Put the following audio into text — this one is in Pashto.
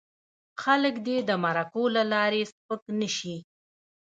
خلک دې د مرکو له لارې سپک نه شي.